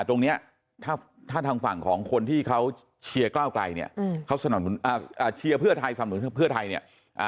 ตรงเนี้ยถ้าทางฝั่งของคนที่เขาเชียร์ก้าวกลายเนี่ย